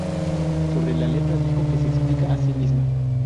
Sobre la letra dijo que se explica a sí misma.